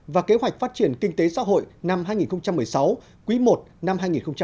và kế hoạch phát triển kinh tế xã hội năm hai nghìn một mươi sáu quý i năm hai nghìn hai mươi